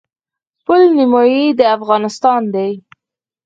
پل نیمايي د افغانستان دی.